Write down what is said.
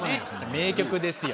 名曲ですよ。